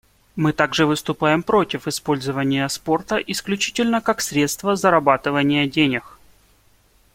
Мы также выступаем против использования спорта исключительно как средства зарабатывания денег.